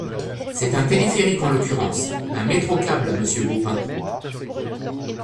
C’est un téléphérique, en l’occurrence ! Un métro-câble, monsieur Baupin.